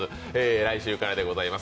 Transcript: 来週からでございます。